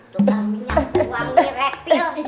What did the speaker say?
tolong minyak uang nih refill